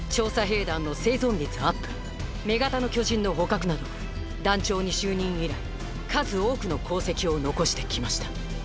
女型の巨人の捕獲など団長に就任以来数多くの功績を残してきました。